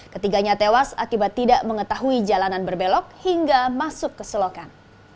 ketiganya tewas akibat tidak mengetahui jalanan berbelok hingga masuk ke selokan